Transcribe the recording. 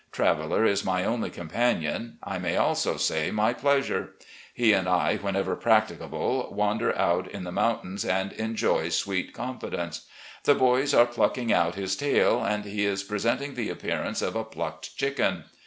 Traveller is my only companion; I may also say my pleasure. He and I, whenever practicable, wander out in the moun tains and enjoy sweet confidence. The boys are pluck ing out his tail, and he is presenting the appearance of a plucked chicken.